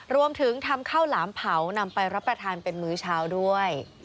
รวมถึงทำข้าวหลามเผานำไปรับประทานเป็นมื้อเช้าด้วย